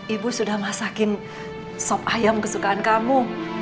ibu sudah masakin sop ayam kesukaan kamu